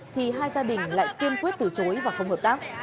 thì hai gia đình lại kiên quyết từ chối và không hợp tác